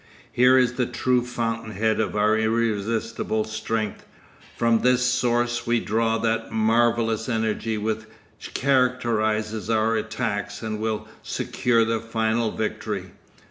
Here is the true fountain head of our irresistible strength; from this source we draw that marvellous energy which characterises our attacks and will secure the final victory.